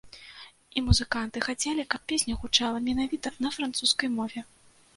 І музыканты хацелі, каб песня гучала менавіта на французскай мове.